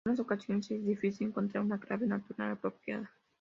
En algunas ocasiones es difícil encontrar una clave natural apropiada.